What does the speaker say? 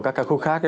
các ca khúc khác